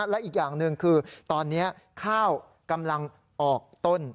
และอีกอย่างหนึ่งคือตอนนี้ข้าวกำลังออกต้น